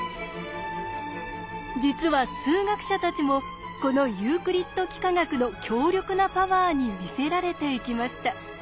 実は数学者たちもこのユークリッド幾何学の強力なパワーに魅せられていきました。